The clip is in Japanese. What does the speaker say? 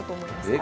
え？